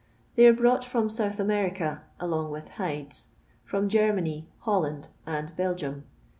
They are brought from South America (along with hides), from Germany, HolLind, and Belgium.